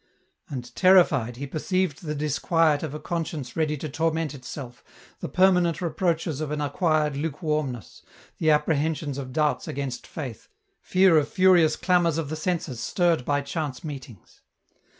" And terrified, he perceived the disquiet of a conscience ready to torment itself, the permanent reproaches of an acquired lukewarmness, the apprehensions of doubts against Faith, fear of furious clamours of the senses stirred by chance meetings.